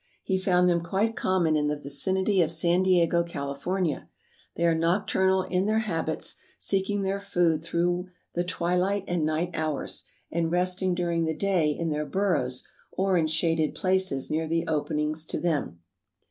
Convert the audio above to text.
He found them quite common in the vicinity of San Diego, California. They are nocturnal in their habits, seeking their food through the twilight and night hours, and resting during the day in their burrows or in shaded places near the openings to them.